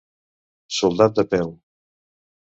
Soldat de peu.